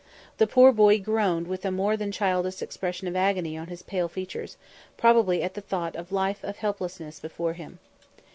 The poor boy groaned with a more than childish expression of agony on his pale features, probably at the thought of the life of helplessness before him.